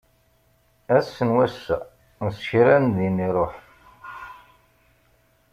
Ass n wass-a, s kra din iruḥ.